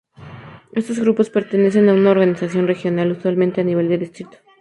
Estos grupos pertenecen a una organización regional, usualmente a nivel de distrito.